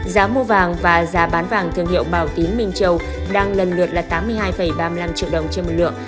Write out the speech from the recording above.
giá mua vàng và giá bán vàng thương hiệu bảo tín minh châu đang lần lượt là tám mươi hai ba mươi năm triệu đồng trên một lượng